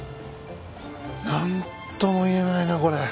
何とも言えないなこれ。